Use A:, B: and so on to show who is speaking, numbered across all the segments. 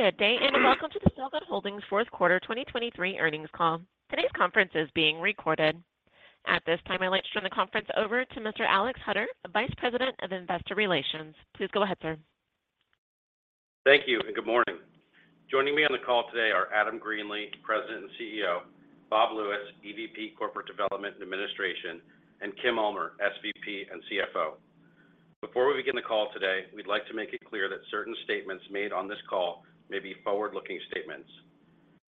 A: Good day, and welcome to the Silgan Holdings fourth quarter 2023 earnings call. Today's conference is being recorded. At this time, I'd like to turn the conference over to Mr. Alex Hutter, Vice President of Investor Relations. Please go ahead, sir.
B: Thank you, and good morning. Joining me on the call today are Adam Greenlee, President and CEO, Bob Lewis, EVP, Corporate Development and Administration, and Kim Ulmer, SVP and CFO. Before we begin the call today, we'd like to make it clear that certain statements made on this call may be forward-looking statements.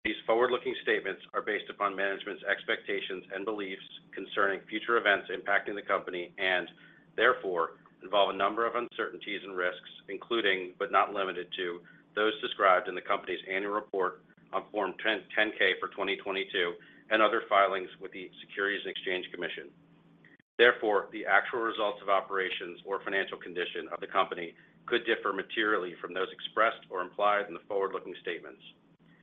B: These forward-looking statements are based upon management's expectations and beliefs concerning future events impacting the company, and therefore involve a number of uncertainties and risks, including, but not limited to, those described in the company's annual report on Form 10-K for 2022 and other filings with the Securities and Exchange Commission. Therefore, the actual results of operations or financial condition of the company could differ materially from those expressed or implied in the forward-looking statements.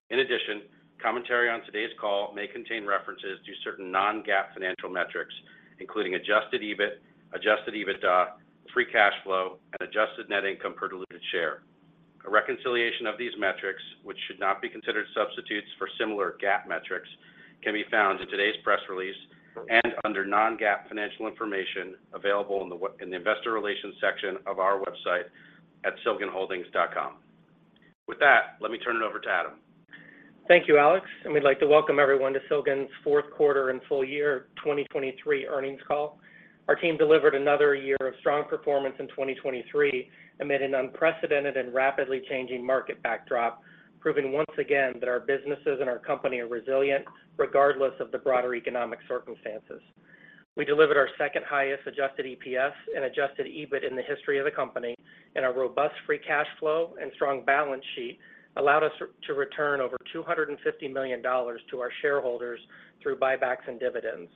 B: In addition, commentary on today's call may contain references to certain non-GAAP financial metrics, Adjusted EBITDA, free cash flow, and Adjusted Net Income per Diluted Share. A reconciliation of these metrics, which should not be considered substitutes for similar GAAP metrics, can be found in today's press release and under Non-GAAP Financial Information available in the Investor Relations section of our website at silganholdings.com. With that, let me turn it over to Adam.
C: Thank you, Alex, and we'd like to welcome everyone to Silgan's fourth quarter and full year 2023 earnings call. Our team delivered another year of strong performance in 2023 amid an unprecedented and rapidly changing market backdrop, proving once again that our businesses and our company are resilient regardless of the broader economic circumstances. We delivered our second highest Adjusted EPS and Adjusted EBIT in the history of the company, and our robust Free Cash Flow and strong balance sheet allowed us to return over $250 million to our shareholders through buybacks and dividends.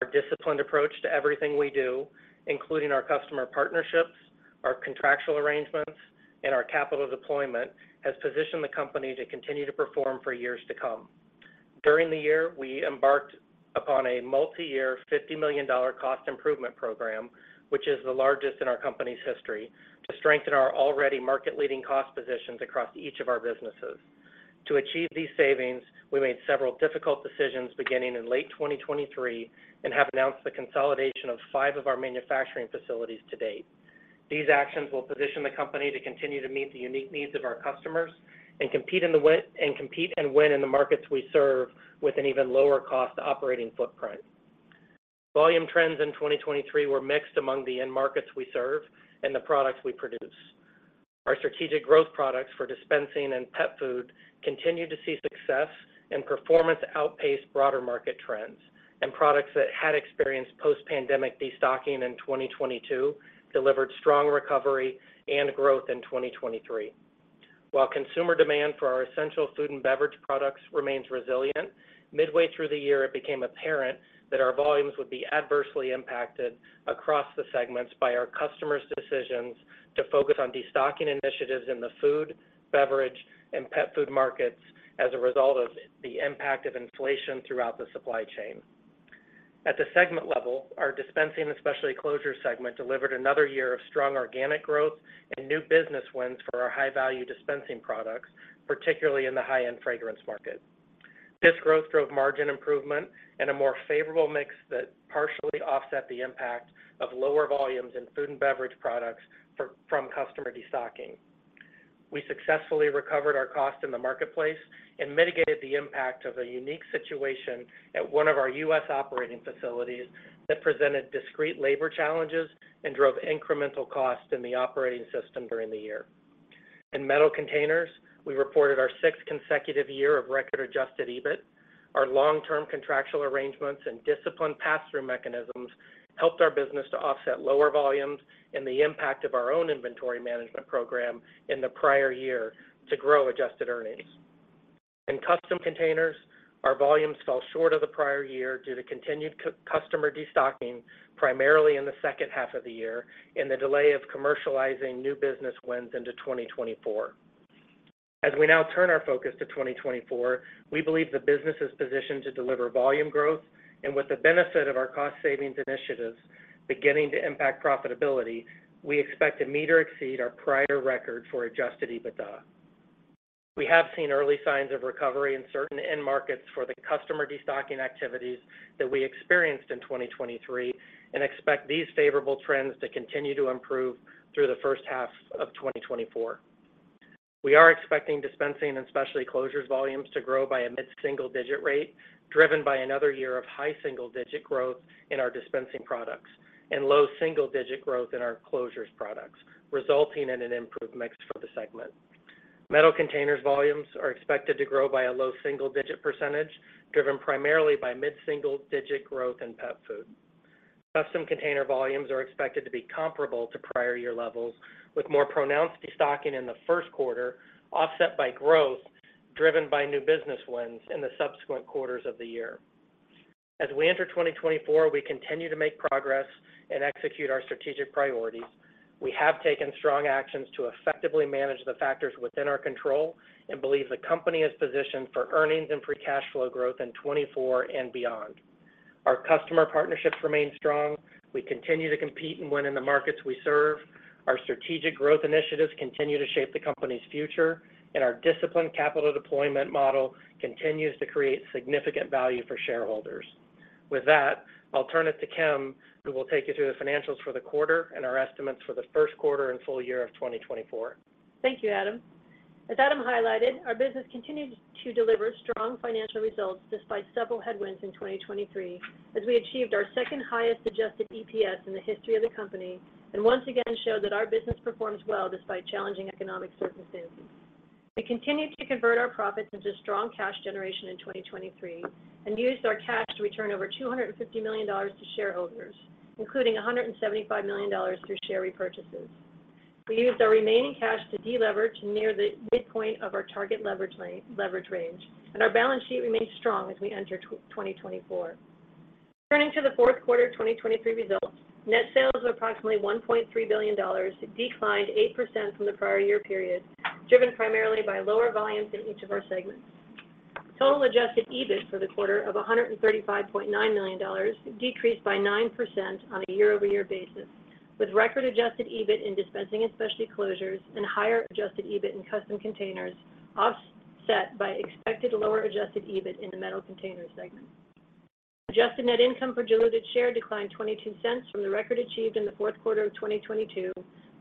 C: Our disciplined approach to everything we do, including our customer partnerships, our contractual arrangements, and our capital deployment, has positioned the company to continue to perform for years to come. During the year, we embarked upon a multi-year $50 million cost improvement program, which is the largest in our company's history, to strengthen our already market-leading cost positions across each of our businesses. To achieve these savings, we made several difficult decisions beginning in late 2023 and have announced the consolidation of five of our manufacturing facilities to date. These actions will position the company to continue to meet the unique needs of our customers and compete and win in the markets we serve with an even lower cost operating footprint. Volume trends in 2023 were mixed among the end markets we serve and the products we produce. Our strategic growth products for dispensing and pet food continued to see success, and performance outpaced broader market trends, and products that had experienced post-pandemic destocking in 2022 delivered strong recovery and growth in 2023. While consumer demand for our essential food and beverage products remains resilient, midway through the year, it became apparent that our volumes would be adversely impacted across the segments by our customers' decisions to focus on destocking initiatives in the food, beverage, and pet food markets as a result of the impact of inflation throughout the supply chain. The Dispensing and Specialty Closures segment delivered another year of strong organic growth and new business wins for our high-value dispensing products, particularly in the high-end fragrance market. This growth drove margin improvement and a more favorable mix that partially offset the impact of lower volumes in food and beverage products from customer destocking. We successfully recovered our cost in the marketplace and mitigated the impact of a unique situation at one of our U.S. operating facilities that presented discrete labor challenges and drove incremental costs in the operating system during the year. In Metal Containers, we reported our sixth consecutive year of record Adjusted EBIT. Our long-term contractual arrangements and disciplined pass-through mechanisms helped our business to offset lower volumes and the impact of our own inventory management program in the prior year to grow adjusted earnings. In Custom Containers, our volumes fell short of the prior year due to continued customer destocking, primarily in the second half of the year, and the delay of commercializing new business wins into 2024. As we now turn our focus to 2024, we believe the business is positioned to deliver volume growth, and with the benefit of our cost savings initiatives beginning to impact profitability, we expect to meet or exceed our prior Adjusted EBITDA. we have seen early signs of recovery in certain end markets for the customer destocking activities that we experienced in 2023 and expect these favorable trends to continue to improve through the first half of 2024. Dispensing and Specialty Closures volumes are expected to grow by a mid-single-digit rate, driven by another year of high single-digit growth in our dispensing products and low single-digit growth in our closures products, resulting in an improved mix for the segment. Metal Containers volumes are expected to grow by a low single-digit percentage, driven primarily by mid-single-digit growth in pet food. Custom Containers volumes are expected to be comparable to prior year levels, with more pronounced destocking in the Q1, offset by growth driven by new business wins in the subsequent quarters of the year. As we enter 2024, we continue to make progress and execute our strategic priorities. We have taken strong actions to effectively manage the factors within our control and believe the company is positioned for earnings and Free Cash Flow growth in 2024 and beyond.... Our customer partnerships remain strong. We continue to compete and win in the markets we serve. Our strategic growth initiatives continue to shape the company's future, and our disciplined capital deployment model continues to create significant value for shareholders. With that, I'll turn it to Kim, who will take you through the financials for the quarter and our estimates for the Q1 and full year of 2024.
D: Thank you, Adam. As Adam highlighted, our business continued to deliver strong financial results despite several headwinds in 2023, as we achieved our second highest Adjusted EPS in the history of the company, and once again showed that our business performs well despite challenging economic circumstances. We continued to convert our profits into strong cash generation in 2023, and used our cash to return over $250 million to shareholders, including $175 million through share repurchases. We used our remaining cash to delever to near the midpoint of our target leverage range, and our balance sheet remains strong as we enter 2024. Turning to the fourth quarter of 2023 results, net sales of approximately $1.3 billion declined 8% from the prior year period, driven primarily by lower volumes in each of our segments. Total Adjusted EBIT for the quarter of $135.9 million decreased by 9% on a year-over-year basis, with record dispensing and specialty closures and higher Adjusted EBIT in Custom Containers, offset by expected lower Adjusted EBIT in the Metal Containers segment. Adjusted Net Income per Diluted Share declined $0.22 from the record achieved in the fourth quarter of 2022,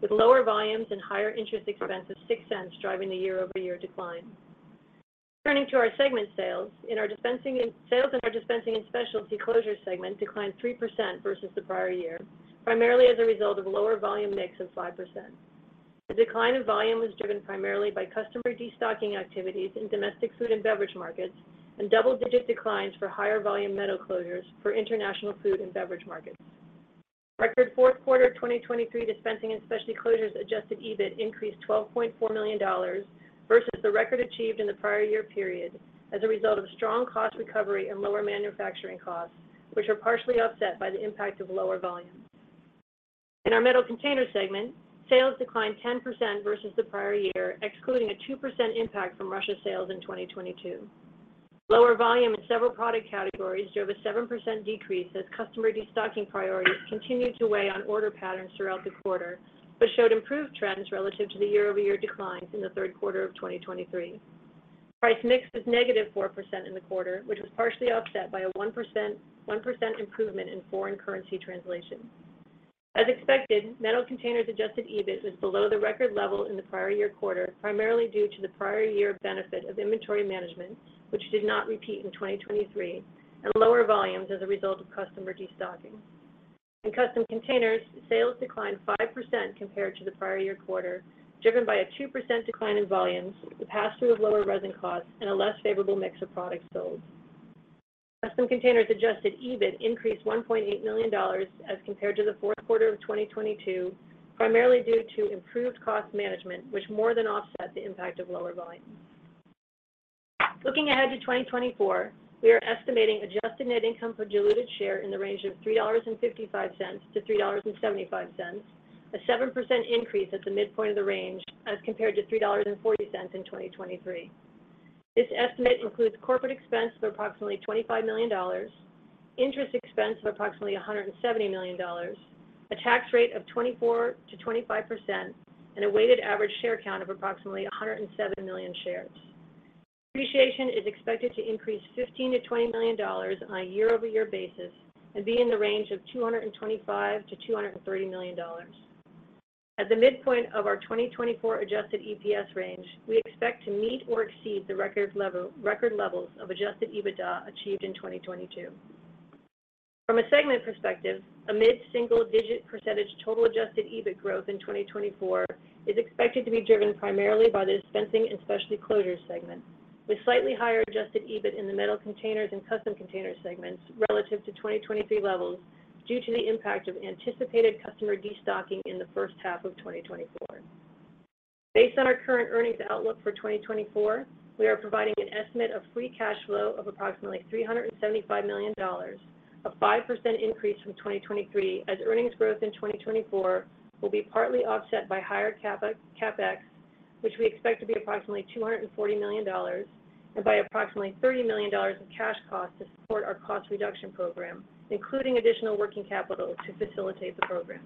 D: with lower volumes and higher interest expense of $0.06, driving the year-over-year decline. Turning to our segment Dispensing and Specialty Closures segment declined 3% versus the prior year, primarily as a result of lower volume mix of 5%. The decline in volume was driven primarily by customer destocking activities in domestic food and beverage markets, and double-digit declines for higher volume metal closures for international food and beverage markets. Record dispensing and specialty closures Adjusted EBIT increased $12.4 million versus the record achieved in the prior year period, as a result of strong cost recovery and lower manufacturing costs, which are partially offset by the impact of lower volumes. In our Metal Containers segment, sales declined 10% versus the prior year, excluding a 2% impact from Russia sales in 2022. Lower volume in several product categories drove a 7% decrease as customer destocking priorities continued to weigh on order patterns throughout the quarter, but showed improved trends relative to the year-over-year declines in the Q3 of 2023. Price mix was -4% in the quarter, which was partially offset by a 1%, 1% improvement in foreign currency translation. As expected, Metal Containers Adjusted EBIT was below the record level in the prior year quarter, primarily due to the prior year benefit of inventory management, which did not repeat in 2023, and lower volumes as a result of customer destocking. In Custom Containers, sales declined 5% compared to the prior year quarter, driven by a 2% decline in volumes, the pass-through of lower resin costs, and a less favorable mix of products sold. Custom Containers Adjusted EBIT increased $1.8 million as compared to the fourth quarter of 2022, primarily due to improved cost management, which more than offset the impact of lower volume. Looking ahead to 2024, we are estimating Adjusted Net Income per Diluted Share in the range of $3.55-$3.75, a 7% increase at the midpoint of the range as compared to $3.40 in 2023. This estimate includes corporate expense of approximately $25 million, interest expense of approximately $170 million, a tax rate of 24%-25%, and a weighted average share count of approximately 107 million shares. Depreciation is expected to increase $15 million-$20 million on a year-over-year basis and be in the range of $225 million-$230 million. At the midpoint of our 2024 Adjusted EPS range, we expect to meet or exceed the record level, record Adjusted EBITDA achieved in 2022. From a segment perspective, a mid-single digit percentage total Adjusted EBIT growth in 2024 is expected to be driven by the Dispensing and Specialty Closures segment, with slightly higher Adjusted EBIT in the Metal Containers and Custom Containers segments relative to 2023 levels due to the impact of anticipated customer destocking in the first half of 2024. Based on our current earnings outlook for 2024, we are providing an estimate of Free Cash Flow of approximately $375 million, a 5% increase from 2023, as earnings growth in 2024 will be partly offset by higher CapEx, which we expect to be approximately $240 million, and by approximately $30 million in cash costs to support our cost reduction program, including additional working capital to facilitate the program.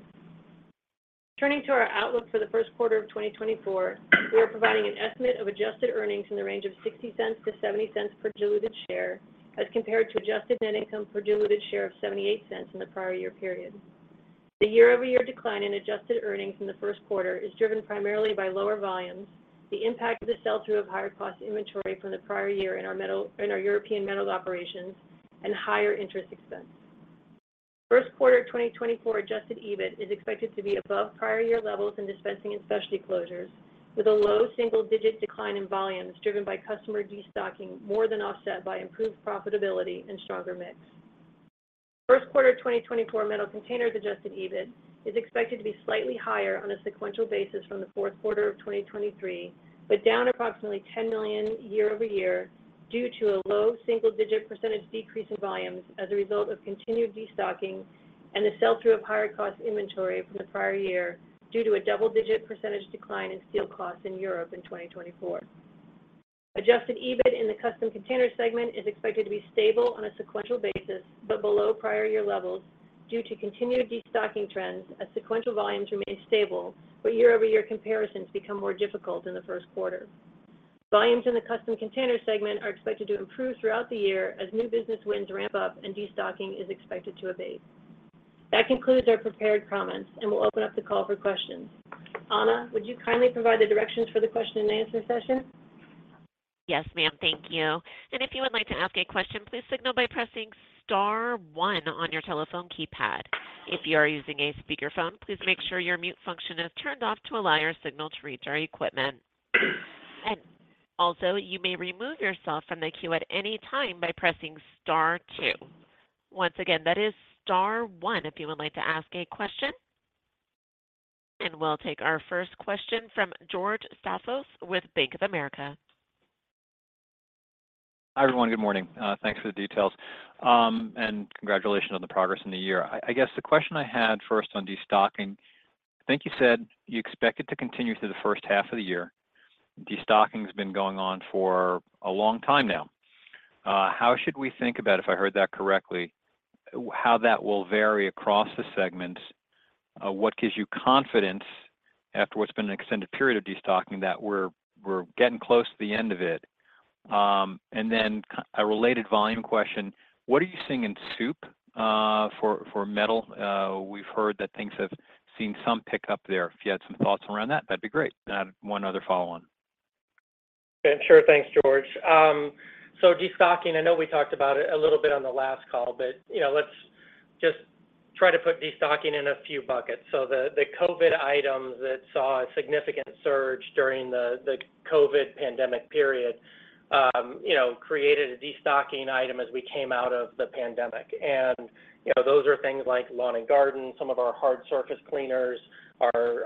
D: Turning to our outlook for the Q1 of 2024, we are providing an estimate of adjusted earnings in the range of $0.60-$0.70 per diluted share, as compared to Adjusted Net Income per Diluted Share of $0.78 in the prior year period. The year-over-year decline in adjusted earnings in the Q1 is driven primarily by lower volumes, the impact of the sell-through of higher cost inventory from the prior year in our European Metal Containers operations, and higher interest expense. Q1 of 2024 Adjusted EBIT is expected to be above prior year in Dispensing and Specialty Closures, with a low single-digit decline in volumes driven by customer destocking, more than offset by improved profitability and stronger mix. Q1 of 2024 Metal Containers Adjusted EBIT is expected to be slightly higher on a sequential basis from the fourth quarter of 2023, but down approximately $10 million year-over-year due to a low single-digit % decrease in volumes as a result of continued destocking and the sell-through of higher cost inventory from the prior year, due to a double-digit % decline in steel costs in Europe in 2024. ...Adjusted EBIT in the Custom Containers segment is expected to be stable on a sequential basis, but below prior year levels due to continued destocking trends as sequential volumes remain stable, but year-over-year comparisons become more difficult in the Q1. Volumes in the Custom Containers segment are expected to improve throughout the year as new business wins ramp up and destocking is expected to abate. That concludes our prepared comments, and we'll open up the call for questions. Anna, would you kindly provide the directions for the question and answer session?
A: Yes, ma'am. Thank you. If you would like to ask a question, please signal by pressing star one on your telephone keypad. If you are using a speakerphone, please make sure your mute function is turned off to allow your signal to reach our equipment. You may remove yourself from the queue at any time by pressing star two. Once again, that is star one if you would like to ask a question. We'll take our first question from George Staphos with Bank of America.
E: Hi, everyone. Good morning. Thanks for the details, and congratulations on the progress in the year. I guess the question I had first on destocking. I think you said you expect it to continue through the first half of the year. Destocking has been going on for a long time now. How should we think about, if I heard that correctly, how that will vary across the segments? What gives you confidence after what's been an extended period of destocking, that we're getting close to the end of it? And then a related volume question: What are you seeing in soup, for metal? We've heard that things have seen some pickup there. If you had some thoughts around that, that'd be great. And I have one other follow-on.
C: Sure. Thanks, George. So destocking, I know we talked about it a little bit on the last call, but, you know, let's just try to put destocking in a few buckets. So the COVID item that saw a significant surge during the COVID pandemic period, you know, created a destocking item as we came out of the pandemic. And, you know, those are things like lawn and garden, some of our hard surface cleaners, our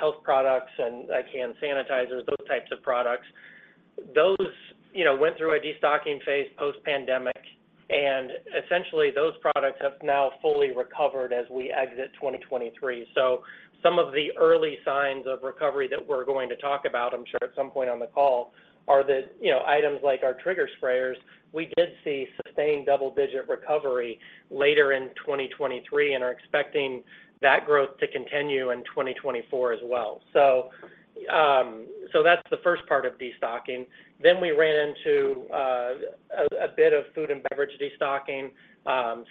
C: health products and hand sanitizers, those types of products. Those, you know, went through a destocking phase post-pandemic, and essentially, those products have now fully recovered as we exit 2023. So some of the early signs of recovery that we're going to talk about, I'm sure at some point on the call, are that, you know, items like our trigger sprayers, we did see sustained double-digit recovery later in 2023 and are expecting that growth to continue in 2024 as well. So that's the first part of destocking. Then we ran into a bit of food and beverage destocking,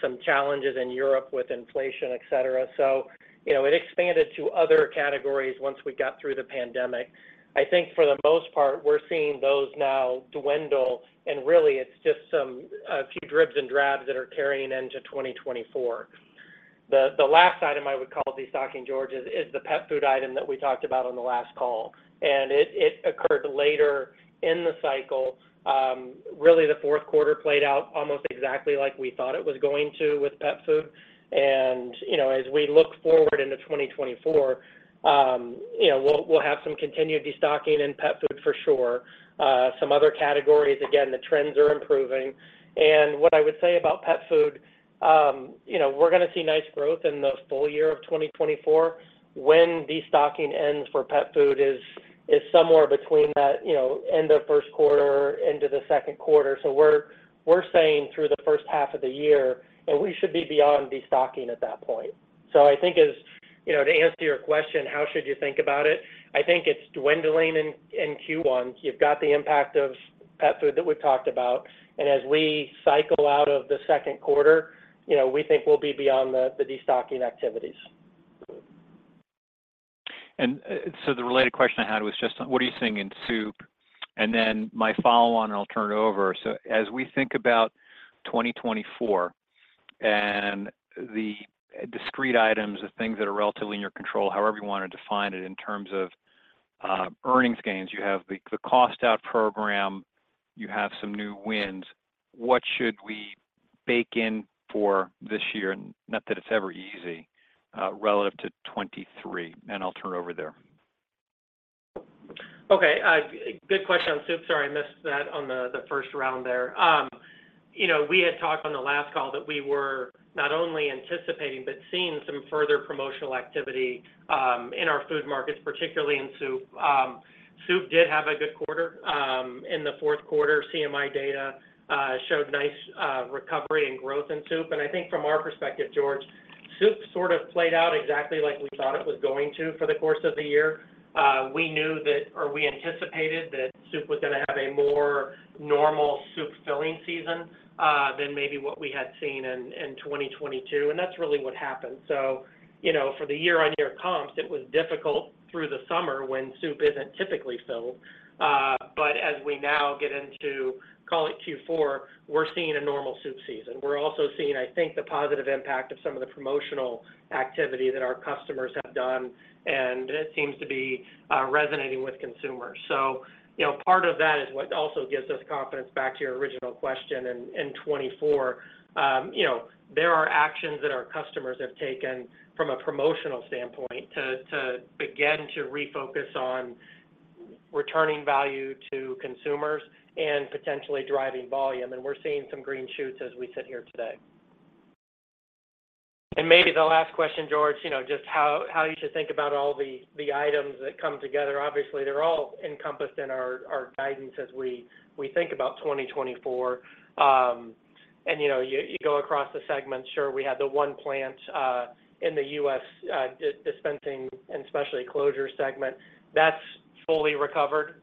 C: some challenges in Europe with inflation, et cetera. So, you know, it expanded to other categories once we got through the pandemic. I think for the most part, we're seeing those now dwindle, and really, it's just a few dribs and drabs that are carrying into 2024. The last item I would call destocking, George, is the pet food item that we talked about on the last call, and it occurred later in the cycle. Really, the fourth quarter played out almost exactly like we thought it was going to with pet food. And, you know, as we look forward into 2024, you know, we'll have some continued destocking in pet food for sure. Some other categories, again, the trends are improving. And what I would say about pet food, you know, we're gonna see nice growth in the full year of 2024. When destocking ends for pet food is somewhere between that, you know, end of Q1 into the Q2. So we're saying through the first half of the year, and we should be beyond destocking at that point. So I think as you know, to answer your question, how should you think about it? I think it's dwindling in Q1. You've got the impact of pet food that we've talked about, and as we cycle out of the Q2, you know, we think we'll be beyond the destocking activities.
E: So the related question I had was just, what are you seeing in soup? And then my follow on, and I'll turn it over. So as we think about 2024 and the discrete items, the things that are relatively in your control, however you want to define it, in terms of, earnings gains, you have the cost-out program, you have some new wins. What should we bake in for this year? Not that it's ever easy, relative to 2023, and I'll turn it over there.
C: Okay, good question on soup. Sorry, I missed that on the first round there. You know, we had talked on the last call that we were not only anticipating, but seeing some further promotional activity in our food markets, particularly in soup. Soup did have a good quarter. In the fourth quarter, CMI data showed nice recovery and growth in soup. And I think from our perspective, George, soup sort of played out exactly like we thought it was going to for the course of the year. We knew that, or we anticipated that soup was gonna have a more normal soup filling season than maybe what we had seen in 2022, and that's really what happened. So, you know, for the year-on-year comps, it was difficult through the summer when soup isn't typically filled. But as we now get into, call it Q4, we're seeing a normal soup season. We're also seeing, I think, the positive impact of some of the promotional activity that our customers have done, and it seems to be resonating with consumers. So, you know, part of that is what also gives us confidence, back to your original question, in 2024. You know, there are actions that our customers have taken from a promotional standpoint, to begin to refocus on returning value to consumers and potentially driving volume, and we're seeing some green shoots as we sit here today. Maybe the last question, George, you know, just how you should think about all the items that come together. Obviously, they're all encompassed in our guidance as we think about 2024. You know, you go across the segments. Sure, we had the one plant Dispensing and Specialty Closures segment, that's fully recovered.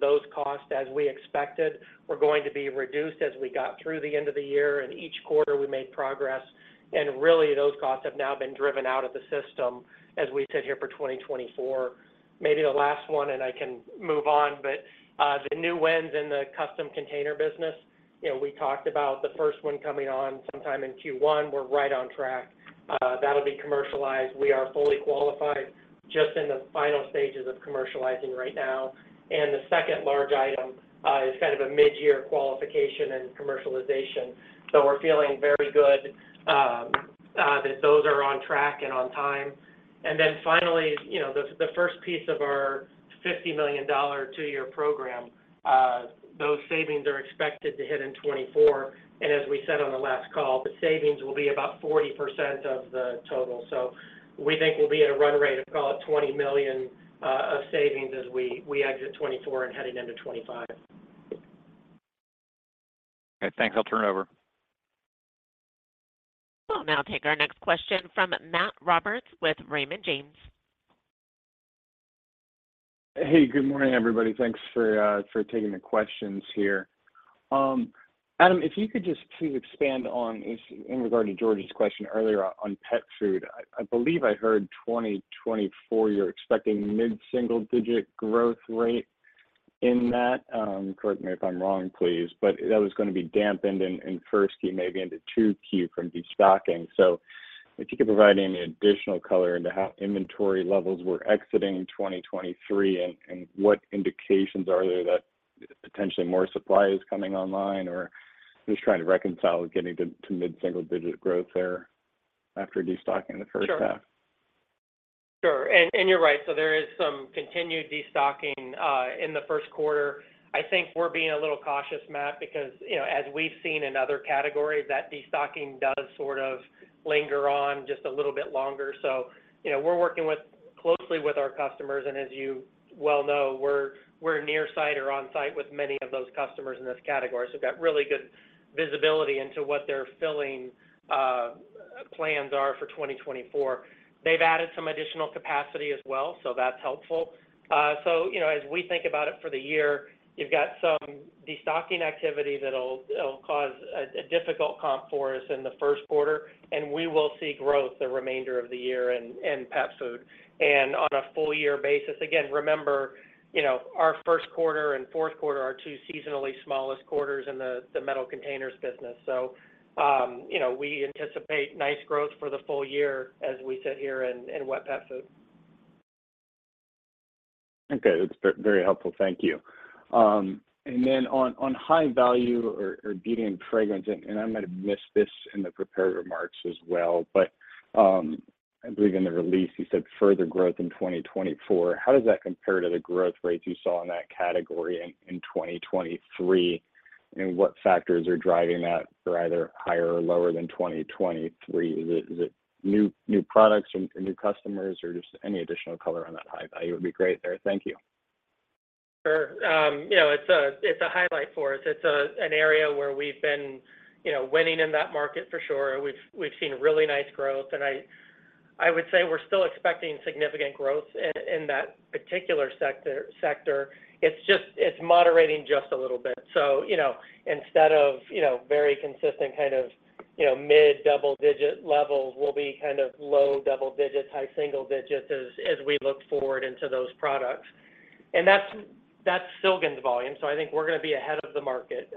C: Those costs, as we expected, were going to be reduced as we got through the end of the year, and each quarter we made progress. Really, those costs have now been driven out of the system as we sit here for 2024. Maybe the last one, and I can move on, but the new wins in the Custom Containers business, you know, we talked about the first one coming on sometime in Q1. We're right on track. That'll be commercialized. We are fully qualified, just in the final stages of commercializing right now. And the second large item is kind of a midyear qualification and commercialization. So we're feeling very good that those are on track and on time. And then finally, you know, the first piece of our $50 million two-year program, those savings are expected to hit in 2024. And as we said on the last call, the savings will be about 40% of the total. So we think we'll be at a run rate of about $20 million of savings as we exit 2024 and heading into 2025.
E: Okay, thanks. I'll turn it over.
A: We'll now take our next question from Matt Roberts with Raymond James.
F: Hey, good morning, everybody. Thanks for taking the questions here. Adam, if you could just please expand on, in regard to George's question earlier on pet food. I believe I heard 2024, you're expecting mid-single-digit growth rate in that, correct me if I'm wrong, please, but that was gonna be dampened in first Q, maybe into 2Q from destocking. So if you could provide any additional color into how inventory levels were exiting 2023, and what indications are there that potentially more supply is coming online, or just trying to reconcile getting to mid-single-digit growth there after destocking in the first half?
C: Sure. And, and you're right, so there is some continued destocking in the Q1. I think we're being a little cautious, Matt, because, you know, as we've seen in other categories, that destocking does sort of linger on just a little bit longer. So, you know, we're working with closely with our customers, and as you well know, we're near site or on site with many of those customers in this category. So we've got really good visibility into what their filling plans are for 2024. They've added some additional capacity as well, so that's helpful. So, you know, as we think about it for the year, you've got some destocking activity that'll cause a difficult comp for us in the Q1, and we will see growth the remainder of the year in pet food. On a full-year basis, again, remember, you know, our Q1 and fourth quarter are two seasonally smallest quarters in the Metal Containers business. So, you know, we anticipate nice growth for the full year as we sit here in wet pet food.
F: Okay. That's very helpful. Thank you. And then on high value or beauty and fragrance, and I might have missed this in the prepared remarks as well, but I believe in the release you said further growth in 2024. How does that compare to the growth rates you saw in that category in 2023? And what factors are driving that for either higher or lower than 2023? Is it new products and new customers, or just any additional color on that high value would be great there. Thank you.
C: Sure. You know, it's a highlight for us. It's an area where we've been, you know, winning in that market for sure. We've seen really nice growth, and I would say we're still expecting significant growth in that particular sector. It's just moderating just a little bit. So, you know, instead of very consistent kind of mid-double-digit levels, we'll be kind of low double digits, high single digits as we look forward into those products. And that's Silgan's volume, so I think we're gonna be ahead of the market,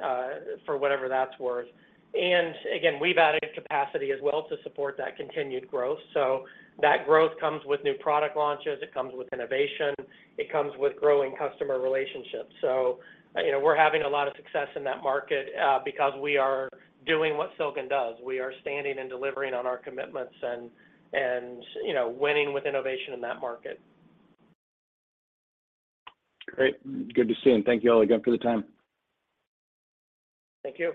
C: for whatever that's worth. And again, we've added capacity as well to support that continued growth. So that growth comes with new product launches, it comes with innovation, it comes with growing customer relationships. You know, we're having a lot of success in that market, because we are doing what Silgan does. We are standing and delivering on our commitments and, you know, winning with innovation in that market.
F: Great. Good to see you, and thank you all again for the time.
C: Thank you.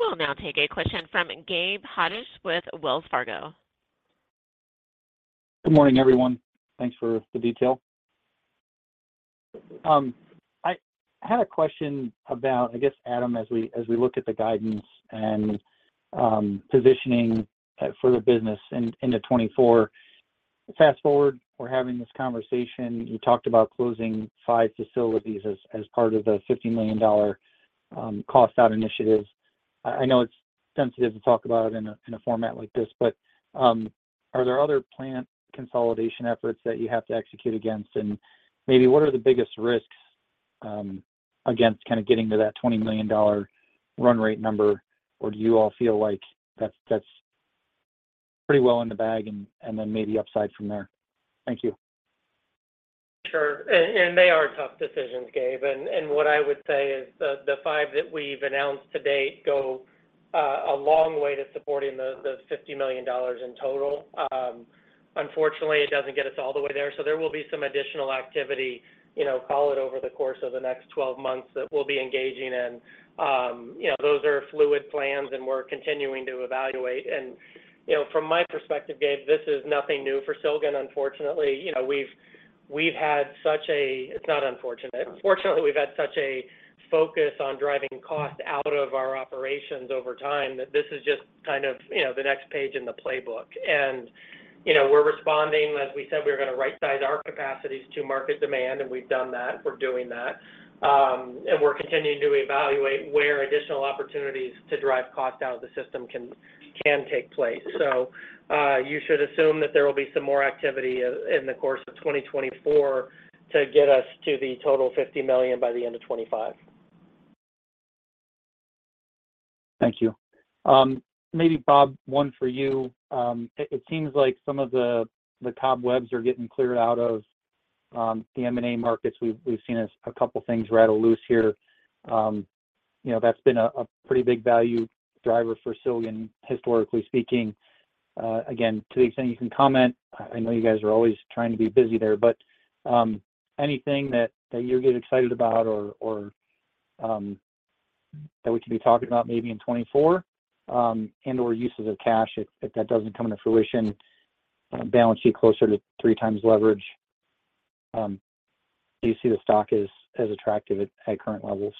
A: We'll now take a question from Gabe Hajde with Wells Fargo.
G: Good morning, everyone. Thanks for the detail. I had a question about, I guess, Adam, as we look at the guidance and positioning for the business into 2024. Fast forward, we're having this conversation. You talked about closing 5 facilities as part of the $50 million cost-out initiative. I know it's sensitive to talk about it in a format like this, but are there other plant consolidation efforts that you have to execute against? And maybe what are the biggest risks against kinda getting to that $20 million run rate number? Or do you all feel like that's pretty well in the bag and then maybe upside from there? Thank you. ...
C: Sure. And they are tough decisions, Gabe. And what I would say is the 5 that we've announced to date go a long way to supporting the $50 million in total. Unfortunately, it doesn't get us all the way there, so there will be some additional activity, you know, call it over the course of the next 12 months, that we'll be engaging in. You know, those are fluid plans, and we're continuing to evaluate. And, you know, from my perspective, Gabe, this is nothing new for Silgan, unfortunately. You know, we've had such a—it's not unfortunate. Fortunately, we've had such a focus on driving cost out of our operations over time, that this is just kind of, you know, the next page in the playbook. And, you know, we're responding. As we said, we were gonna rightsize our capacities to market demand, and we've done that. We're doing that. And we're continuing to evaluate where additional opportunities to drive cost out of the system can take place. So, you should assume that there will be some more activity in the course of 2024, to get us to the total $50 million by the end of 2025.
G: Thank you. Maybe, Bob, one for you. It seems like some of the cobwebs are getting cleared out of the M&A markets. We've seen a couple things rattle loose here. You know, that's been a pretty big value driver for Silgan, historically speaking. Again, to the extent you can comment, I know you guys are always trying to be busy there. But anything that you're getting excited about, or that we can be talking about maybe in 2024? And/or uses of cash if that doesn't come into fruition, balance sheet closer to three times leverage. Do you see the stock as attractive at current levels?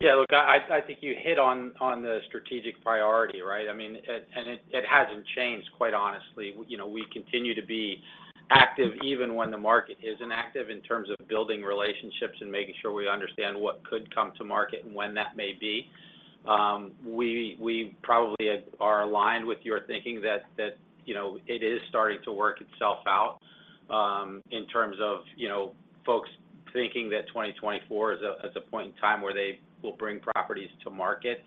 H: Yeah, look, I think you hit on the strategic priority, right? I mean, and it hasn't changed, quite honestly. You know, we continue to be active, even when the market isn't active, in terms of building relationships and making sure we understand what could come to market and when that may be. We probably are aligned with your thinking that, you know, it is starting to work itself out, in terms of, you know, folks thinking that 2024 is a point in time where they will bring properties to market.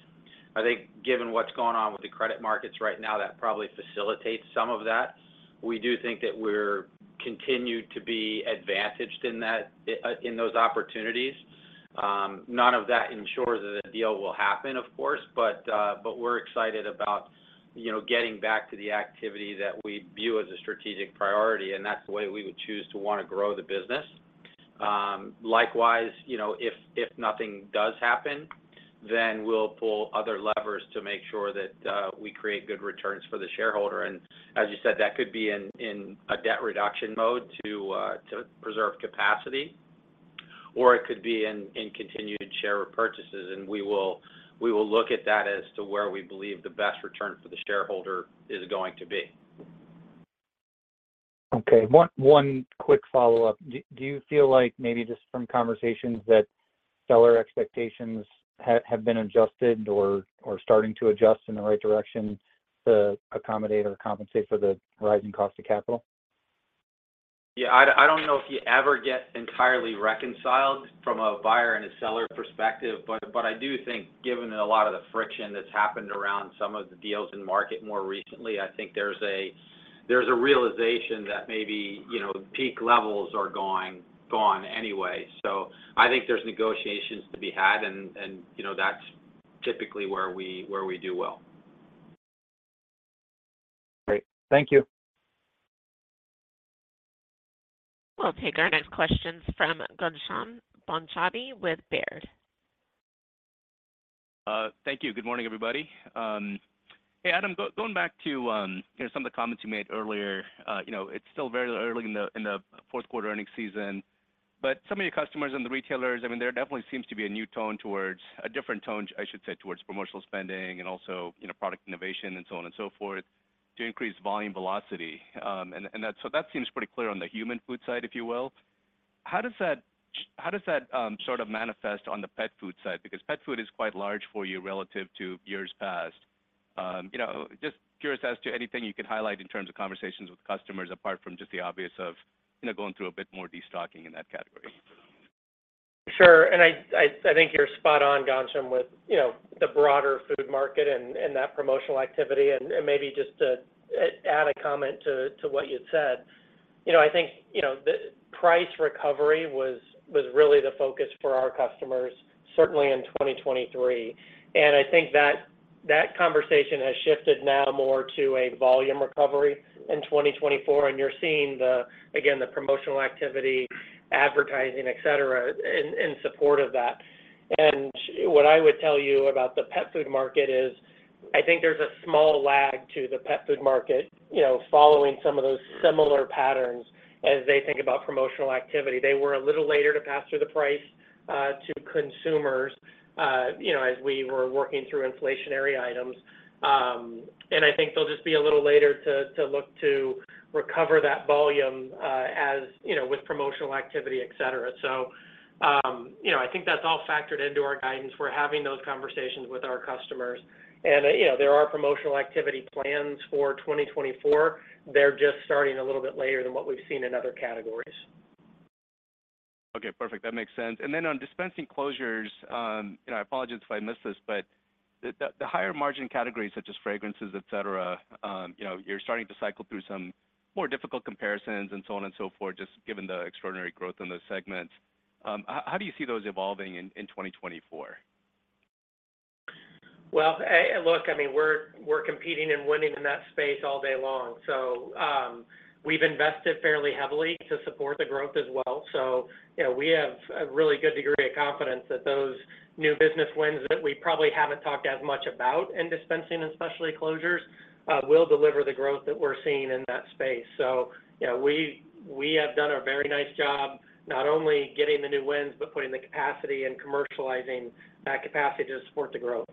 H: I think, given what's going on with the credit markets right now, that probably facilitates some of that. We do think that we're continued to be advantaged in that, in those opportunities. None of that ensures that a deal will happen, of course, but we're excited about, you know, getting back to the activity that we view as a strategic priority, and that's the way we would choose to wanna grow the business. Likewise, you know, if nothing does happen, then we'll pull other levers to make sure that we create good returns for the shareholder. And as you said, that could be in a debt reduction mode to preserve capacity, or it could be in continued share repurchases. And we will look at that as to where we believe the best return for the shareholder is going to be.
G: Okay. One quick follow-up. Do you feel like maybe just from conversations, that seller expectations have been adjusted or starting to adjust in the right direction to accommodate or compensate for the rising cost of capital?
H: Yeah, I don't know if you ever get entirely reconciled from a buyer and a seller perspective, but I do think, given a lot of the friction that's happened around some of the deals in market more recently, I think there's a realization that maybe, you know, peak levels are going, gone anyway. So I think there's negotiations to be had, and, you know, that's typically where we, where we do well.
G: Great. Thank you.
A: We'll take our next questions from Ghansham Panjabi with Baird.
I: Thank you. Good morning, everybody. Hey, Adam, going back to, you know, some of the comments you made earlier. You know, it's still very early in the fourth quarter earnings season, but some of your customers and the retailers, I mean, there definitely seems to be a new tone towards... a different tone, I should say, towards promotional spending and also, you know, product innovation and so on and so forth, to increase volume velocity. And that, so that seems pretty clear on the human food side, if you will. How does that sort of manifest on the pet food side? Because pet food is quite large for you, relative to years past. You know, just curious as to anything you could highlight in terms of conversations with customers, apart from just the obvious of, you know, going through a bit more destocking in that category?
C: Sure. And I think you're spot on, Ghansham, with, you know, the broader food market and, and that promotional activity. And, and maybe just to add a comment to, to what you'd said. You know, I think, you know, the price recovery was, was really the focus for our customers, certainly in 2023. And I think that, that conversation has shifted now more to a volume recovery in 2024, and you're seeing the, again, the promotional activity, advertising, et cetera, in, in support of that. And what I would tell you about the pet food market is, I think there's a small lag to the pet food market, you know, following some of those similar patterns as they think about promotional activity. They were a little later to pass through the price to consumers, you know, as we were working through inflationary items. And I think they'll just be a little later to, to look to recover that volume, as, you know, with promotional activity, et cetera. So, you know, I think that's all factored into our guidance. We're having those conversations with our customers. And, you know, there are promotional activity plans for 2024. They're just starting a little bit later than what we've seen in other categories....
I: Okay, perfect. That makes sense. And then on dispensing closures, you know, I apologize if I missed this, but the higher margin categories such as fragrances, et cetera, you know, you're starting to cycle through some more difficult comparisons and so on and so forth, just given the extraordinary growth in those segments. How do you see those evolving in 2024?
C: Well, look, I mean, we're competing and winning in that space all day long. So, we've invested fairly heavily to support the growth as well. So, you know, we have a really good degree of confidence that those new business wins that we probably haven't talked as much about in dispensing, and especially closures, will deliver the growth that we're seeing in that space. So, you know, we have done a very nice job, not only getting the new wins, but putting the capacity and commercializing that capacity to support the growth.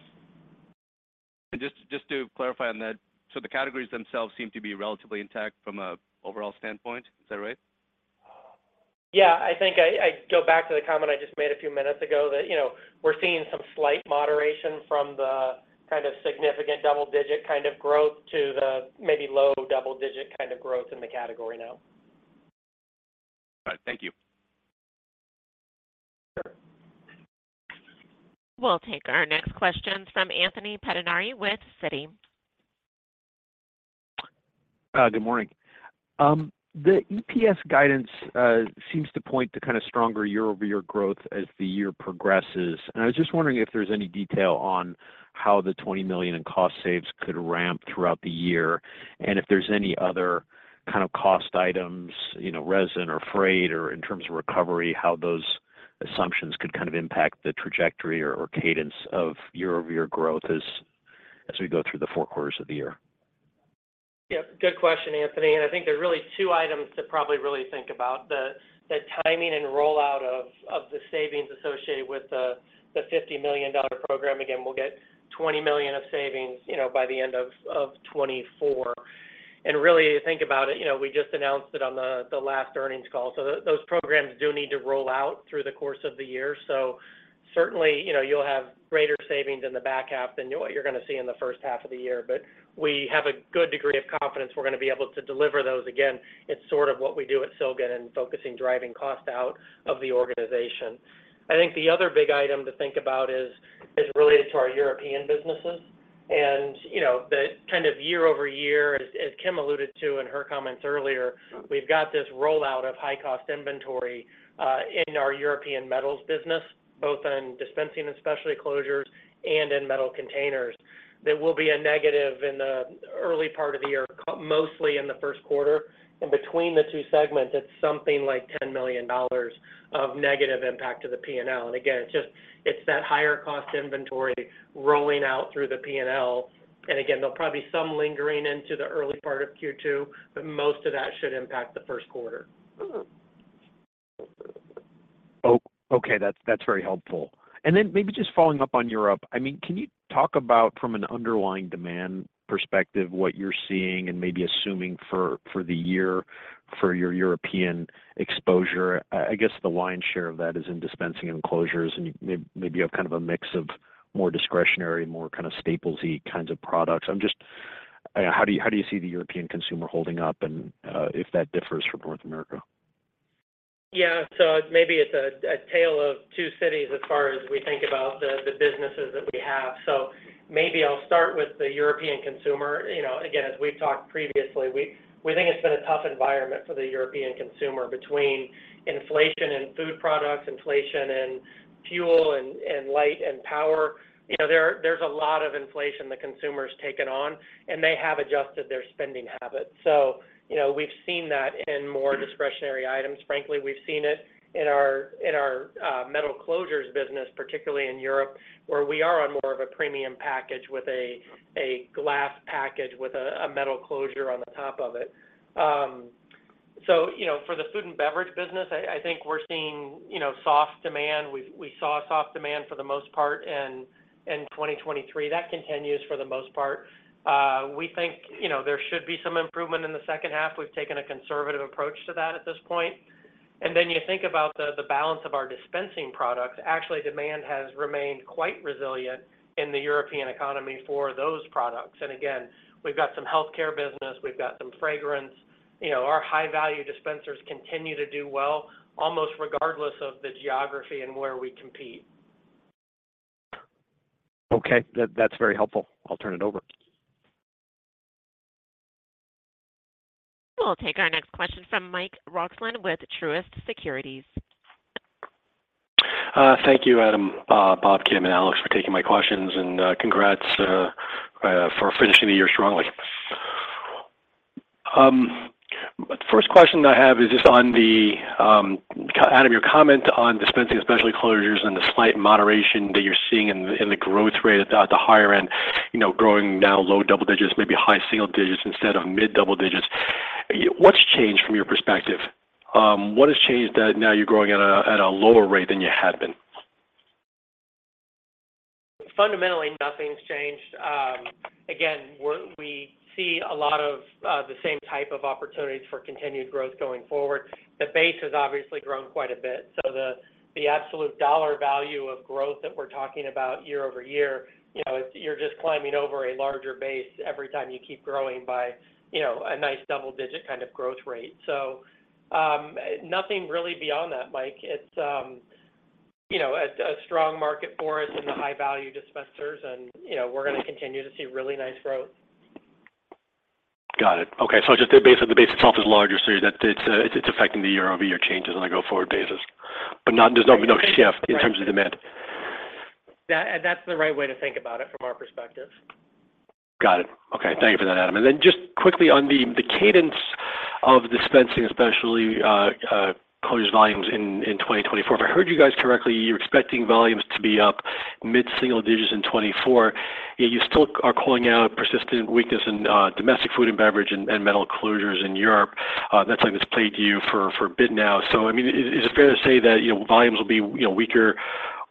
I: Just, just to clarify on that, so the categories themselves seem to be relatively intact from an overall standpoint. Is that right?
C: Yeah, I think I, I go back to the comment I just made a few minutes ago that, you know, we're seeing some slight moderation from the kind of significant double digit kind of growth to the maybe low double digit kind of growth in the category now.
I: All right. Thank you.
C: Sure.
A: We'll take our next question from Anthony Pettinari with Citi.
J: Good morning. The EPS guidance seems to point to kind of stronger year-over-year growth as the year progresses. And I was just wondering if there's any detail on how the $20 million in cost saves could ramp throughout the year? And if there's any other kind of cost items, you know, resin or freight, or in terms of recovery, how those assumptions could kind of impact the trajectory or cadence of year-over-year growth as we go through the four quarters of the year.
C: Yeah, good question, Anthony. And I think there are really two items to probably really think about: the timing and rollout of the savings associated with the $50 million program. Again, we'll get $20 million of savings, you know, by the end of 2024. And really, think about it, you know, we just announced it on the last earnings call. So those programs do need to roll out through the course of the year. So certainly, you know, you'll have greater savings in the back half than what you're gonna see in the first half of the year. But we have a good degree of confidence we're gonna be able to deliver those. Again, it's sort of what we do at Silgan and focusing, driving cost out of the organization. I think the other big item to think about is related to our European businesses. And, you know, the kind of year-over-year, as Kim alluded to in her comments earlier, we've got this rollout of high-cost inventory in our European Metal Closures, Dispensing and Specialty Closures and in metal containers. That will be a negative in the early part of the year, mostly in the Q1. And between the two segments, it's something like $10 million of negative impact to the P&L. And again, it's just, it's that higher cost inventory rolling out through the P&L. And again, there'll probably some lingering into the early part of Q2, but most of that should impact the Q1.
J: Oh, okay. That's, that's very helpful. And then maybe just following up on Europe. I mean, can you talk about from an underlying demand perspective, what you're seeing and maybe assuming for, for the year for your European exposure? I guess, the lion's share of that is in dispensing and closures, and maybe you have kind of a mix of more discretionary, more kind of staples-y kinds of products. I'm just... How do you, how do you see the European consumer holding up and, if that differs from North America?
C: Yeah. So maybe it's a tale of two cities as far as we think about the businesses that we have. So maybe I'll start with the European consumer. You know, again, as we've talked previously, we think it's been a tough environment for the European consumer between inflation and food products, inflation and fuel and light and power. You know, there's a lot of inflation the consumer's taken on, and they have adjusted their spending habits. So you know, we've seen that in more discretionary items. Frankly, we've seen it in our metal closures business, particularly in Europe, where we are on more of a premium package with a glass package with a metal closure on the top of it. So you know, for the food and beverage business, I think we're seeing you know, soft demand. We saw soft demand for the most part in 2023. That continues for the most part. We think, you know, there should be some improvement in the second half. We've taken a conservative approach to that at this point. And then you think about the balance of our dispensing products. Actually, demand has remained quite resilient in the European economy for those products. And again, we've got some healthcare business, we've got some fragrance. You know, our high-value dispensers continue to do well, almost regardless of the geography and where we compete.
J: Okay. That, that's very helpful. I'll turn it over.
A: We'll take our next question from Mike Roxland with Truist Securities.
K: Thank you, Adam, Bob, Kim, and Alex, for taking my questions, and congrats for finishing the year strongly. The first question I have is Dispensing and Specialty Closures and the slight moderation that you're seeing in the growth rate at the higher end, you know, growing now low double digits, maybe high single digits instead of mid double digits. What's changed from your perspective? What has changed that now you're growing at a lower rate than you had been?
C: Fundamentally, nothing's changed. Again, we see a lot of the same type of opportunities for continued growth going forward. The base has obviously grown quite a bit, so the absolute dollar value of growth that we're talking about year-over-year, you know, you're just climbing over a larger base every time you keep growing by, you know, a nice double digit kind of growth rate. So, nothing really beyond that, Mike. It's you know, a strong market for us in the high-value dispensers, and, you know, we're gonna continue to see really nice growth.
K: Got it. Okay, so just the base, the base itself is larger, so that it's, it's affecting the year-over-year changes on a go-forward basis, but not, there's no, no shift in terms of demand?
C: That's the right way to think about it from our perspective.
K: Got it. Okay. Thank you for that, Adam. And then Dispensing and Specialty Closures volumes in 2024. if i heard you guys correctly, you're expecting volumes to be up mid-single digits in 2024, yet you still are calling out persistent weakness in domestic food and beverage and metal closures in Europe. That's something that's plagued you for a bit now. So I mean, is it fair to say that, you know, volumes will be, you know, weaker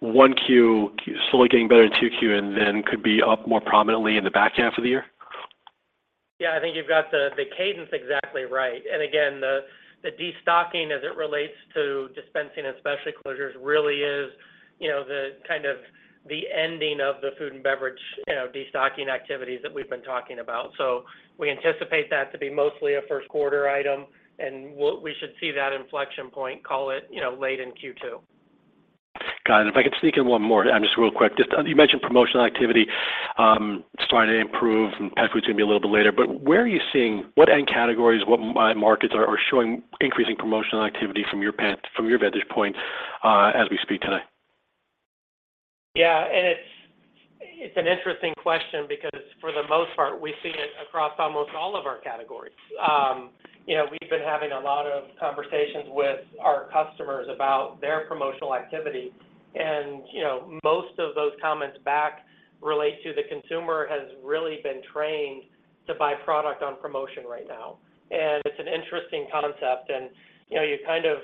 K: 1Q, slowly getting better in 2Q, and then could be up more prominently in the back half of the year?
C: Yeah, I think you've got the cadence exactly right. And again, Dispensing and Specialty Closures, really is, you know, the kind of ending of the food and beverage, you know, destocking activities that we've been talking about. So we anticipate that to be mostly a Q1 item, and we'll, we should see that inflection point, call it, you know, late in Q2.
K: Got it. And if I could sneak in one more, just real quick. Just, you mentioned promotional activity starting to improve, and pet food's gonna be a little bit later. But where are you seeing what end categories, what markets are showing increasing promotional activity from your vantage point as we speak today?
C: Yeah, and it's an interesting question because for the most part, we see it across almost all of our categories. You know, we've been having a lot of conversations with our customers about their promotional activity, and, you know, most of those comments back relate to the consumer has really been trained to buy product on promotion right now. And it's an interesting concept, and, you know, you kind of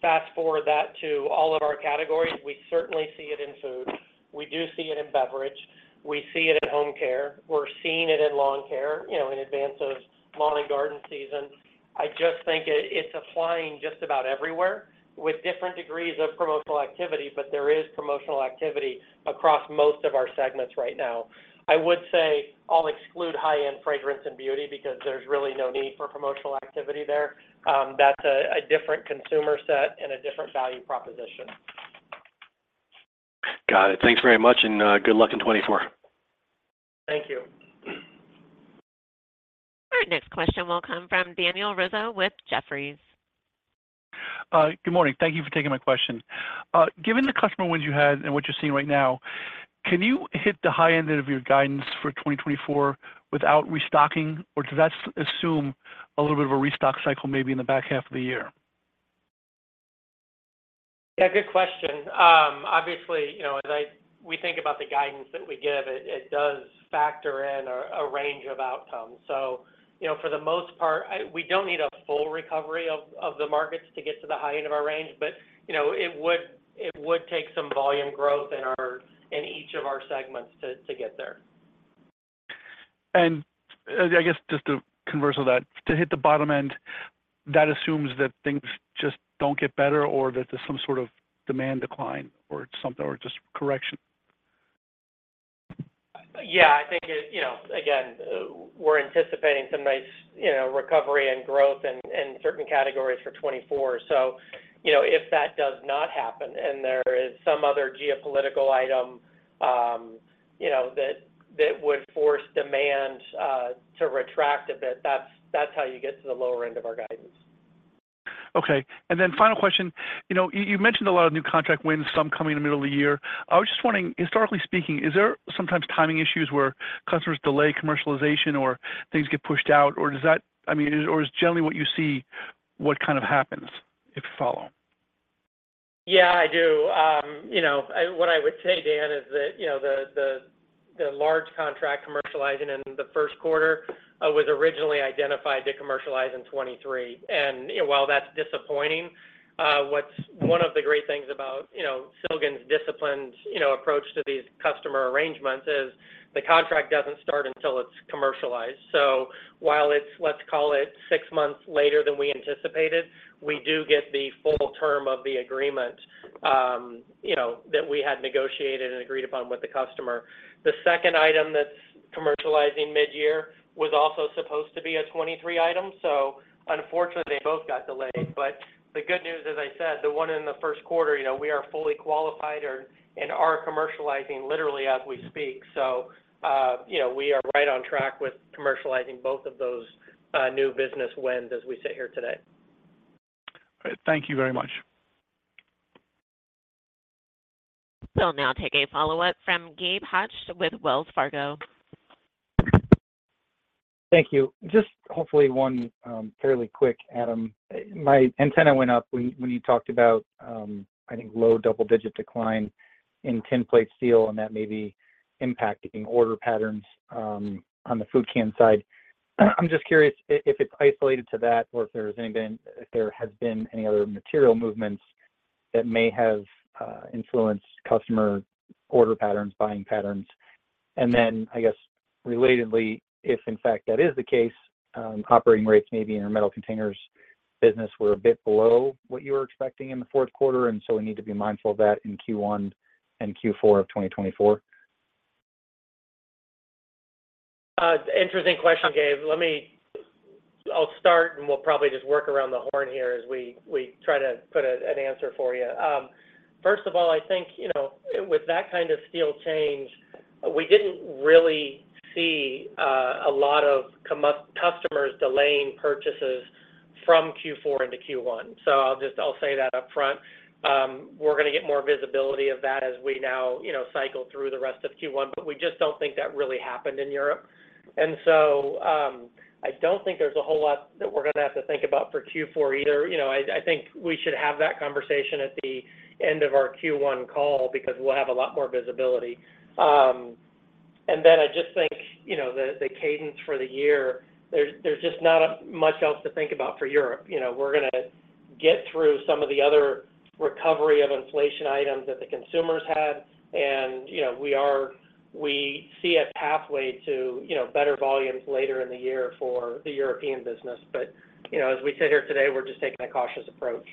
C: fast-forward that to all of our categories. We certainly see it in food. We do see it in beverage. We see it in home care. We're seeing it in lawn care, you know, in advance of lawn and garden season. I just think it's applying just about everywhere with different degrees of promotional activity, but there is promotional activity across most of our segments right now. I would say I'll exclude high-end fragrance and beauty because there's really no need for promotional activity there. That's a different consumer set and a different value proposition.
K: Got it. Thanks very much, and, good luck in 2024.
C: Thank you.
A: Our next question will come from Daniel Rizzo with Jefferies.
L: Good morning. Thank you for taking my question. Given the customer wins you had and what you're seeing right now, can you hit the high end of your guidance for 2024 without restocking, or does that assume a little bit of a restock cycle maybe in the back half of the year?
C: Yeah, good question. Obviously, you know, we think about the guidance that we give, it does factor in a range of outcomes. So, you know, for the most part, we don't need a full recovery of the markets to get to the high end of our range, but, you know, it would take some volume growth in each of our segments to get there.
L: I guess just to converse with that, to hit the bottom end, that assumes that things just don't get better or that there's some sort of demand decline or something, or just correction?
C: Yeah, I think it, you know, again, we're anticipating some nice, you know, recovery and growth in certain categories for 2024. So, you know, if that does not happen and there is some other geopolitical item, you know, that would force demand to retract a bit, that's how you get to the lower end of our guidance.
L: Okay. And then final question: You know, you, you mentioned a lot of new contract wins, some coming in the middle of the year. I was just wondering, historically speaking, is there sometimes timing issues where customers delay commercialization or things get pushed out, or does that, I mean, or is generally what you see what kind of happens, if you follow?
C: Yeah, I do. You know, what I would say, Dan, is that, you know, the large contract commercializing in the Q1 was originally identified to commercialize in 2023. And, you know, while that's disappointing, what's one of the great things about, you know, Silgan's disciplined, you know, approach to these customer arrangements is the contract doesn't start until it's commercialized. So while it's, let's call it, six months later than we anticipated, we do get the full term of the agreement, you know, that we had negotiated and agreed upon with the customer. The second item that's commercializing mid-year was also supposed to be a 2023 item, so unfortunately, they both got delayed. But the good news, as I said, the one in the Q1, you know, we are fully qualified and are commercializing literally as we speak. you know, we are right on track with commercializing both of those new business wins as we sit here today.
L: All right. Thank you very much.
A: We'll now take a follow-up from Gabe Hajde with Wells Fargo.
G: Thank you. Just hopefully one, fairly quick, Adam. My antenna went up when, when you talked about, I think, low double-digit decline in tinplate steel, and that may be impacting order patterns, on the food can side. I'm just curious if it's isolated to that or if there's anything-- if there has been any other material movements that may have, influenced customer order patterns, buying patterns. And then, I guess, relatedly, if in fact, that is the case, operating rates maybe in our Metal Containers business were a bit below what you were expecting in the fourth quarter, and so we need to be mindful of that in Q1 and Q4 of 2024?
C: Interesting question, Gabe. Let me. I'll start, and we'll probably just work around the horn here as we try to put an answer for you. First of all, I think, you know, with that kind of steel change, we didn't really see a lot of customers delaying purchases from Q4 into Q1. So I'll just. I'll say that up front. We're gonna get more visibility of that as we now, you know, cycle through the rest of Q1, but we just don't think that really happened in Europe. And so, I don't think there's a whole lot that we're gonna have to think about for Q4 either. You know, I think we should have that conversation at the end of our Q1 call because we'll have a lot more visibility. And then I just think, you know, the cadence for the year, there's just not much else to think about for Europe. You know, we're gonna get through some of the other recovery of inflation items that the consumers had, and, you know, we see a pathway to, you know, better volumes later in the year for the European business. But, you know, as we sit here today, we're just taking a cautious approach.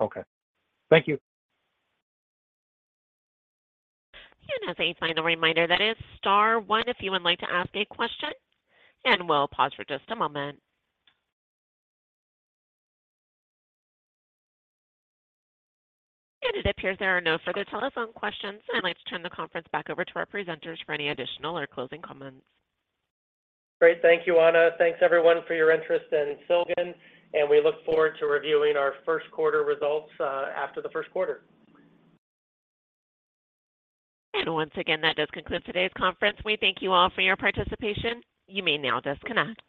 G: Okay. Thank you.
A: As a final reminder, that is star one if you would like to ask a question, and we'll pause for just a moment. It appears there are no further telephone questions. I'd like to turn the conference back over to our presenters for any additional or closing comments.
C: Great. Thank you, Anna. Thanks, everyone, for your interest in Silgan, and we look forward to reviewing our Q1 results after the Q1.
A: Once again, that does conclude today's conference. We thank you all for your participation. You may now disconnect.